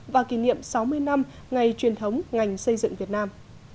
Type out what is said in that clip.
và kỷ niệm sáu mươi năm ngày truyền thống ngành xây dựng việt nam